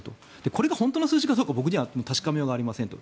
これが本当の数字かどうか僕には確かめようがありませんと。